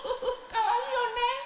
かわいいよね。